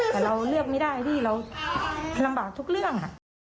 แต่เราเลือกไม่ได้พี่เราลำบากทุกเรื่อง